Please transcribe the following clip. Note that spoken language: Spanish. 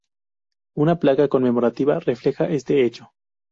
Una placa conmemorativa refleja este hecho.